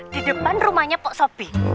di depan rumahnya pok shopee